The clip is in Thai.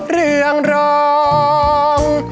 เรื่องร้อง